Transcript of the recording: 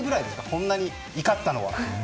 こんなに怒ったのは。